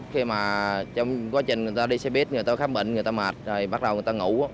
khi mà trong quá trình người ta đi xe buýt người ta khám bệnh người ta mệt rồi bắt đầu người ta ngủ